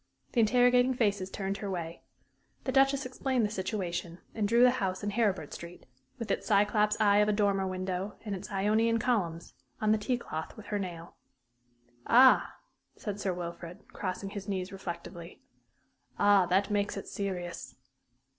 The interrogating faces turned her way. The Duchess explained the situation, and drew the house in Heribert Street with its Cyclops eye of a dormer window, and its Ionian columns on the tea cloth with her nail. "Ah," said Sir Wilfrid, crossing his knees reflectively. "Ah, that makes it serious."